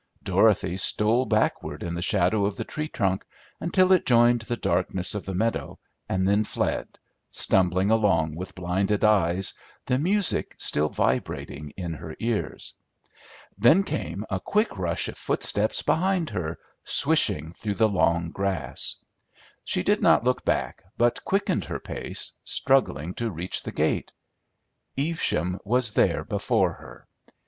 Dorothy stole backward in the shadow of the tree trunk, until it joined the darkness of the meadow, and then fled, stumbling along with blinded eyes, the music still vibrating in her ears. Then came a quick rush of footsteps behind her, swishing through the long grass. She did not look back, but quickened her pace, struggling to reach the gate. Evesham was there before her.